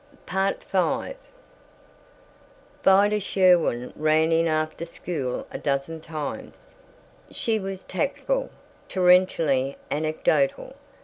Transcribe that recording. V Vida Sherwin ran in after school a dozen times. She was tactful, torrentially anecdotal.